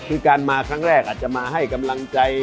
คือการมาครั้งแรกอาจจะมาให้กำลังใจ